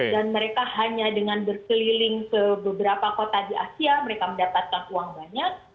dan mereka hanya dengan berkeliling ke beberapa kota di asia mereka mendapatkan uang banyak